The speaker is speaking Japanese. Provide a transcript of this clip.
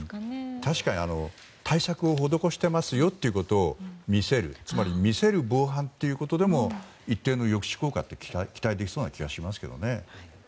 確かに対策を施してますよってことを見せる、つまり見せる防犯ということでも一定の抑止効果に期待できそうな気がしますけどね。